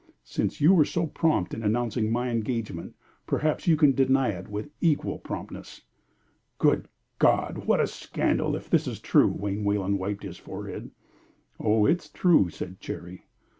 "Since you were so prompt in announcing my engagement, perhaps you can deny it with equal promptness." "Good God! What a scandal if this is true!" Wayne Wayland wiped his forehead. "Oh, it's true," said Cherry.